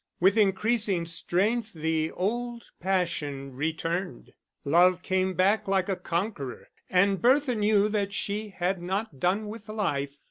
With increasing strength the old passion returned; love came back like a conqueror, and Bertha knew that she had not done with life.